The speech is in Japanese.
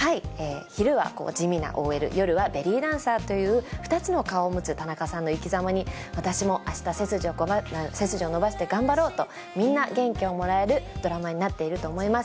昼は地味なＯＬ、夜はベリーダンサーという２つの顔を持つ田中さんの生きざまに、私もあした背筋を伸ばして頑張ろうと、みんな元気をもらえるドラマになっていると思います。